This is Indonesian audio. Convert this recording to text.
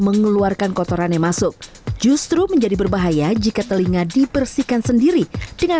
mengeluarkan kotoran yang masuk justru menjadi berbahaya jika telinga dibersihkan sendiri dengan